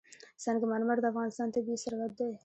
سنگ مرمر د افغانستان طبعي ثروت دی.